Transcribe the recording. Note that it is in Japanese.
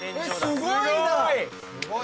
・すごい！